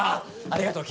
ありがとう。